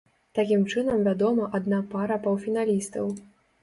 Такім чынам вядома адна пара паўфіналістаў.